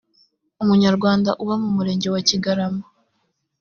umunyarwanda uba mu murenge wa kigarama